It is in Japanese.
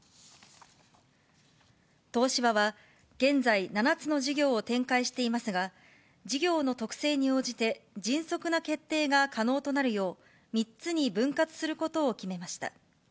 東芝は現在、７つの事業を展開していますが、事業の特性に応じて迅速な決定が可能となるよう、３つに分割することを決めました。